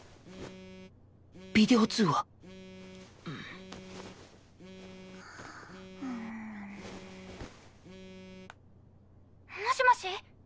ビデオ通話「もしもし？」